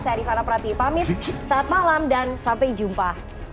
saya rifana prati pamit saat malam dan sampai jumpa